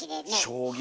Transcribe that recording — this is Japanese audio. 将棋？